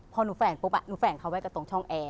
พอหนูแฝงปุ๊บหนูแฝงเขาไว้กับตรงช่องแอร์